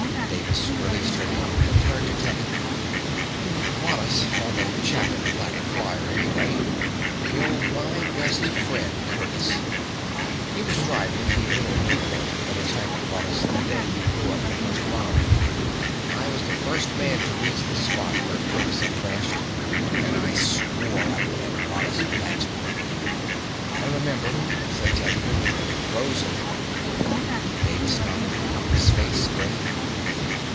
Davis released her hand and turned to Teddy. "Varrhus or the chap in the black flyer, anyway killed my best friend, Curtiss. He was driving the little Nieuport that attacked Varrhus the day you blew up the first bomb. I was the first man to reach the spot where Curtiss had crashed, and I swore I'd get Varrhus for that." "I remember," said Teddy. "Frozen." Davis nodded, his face grave.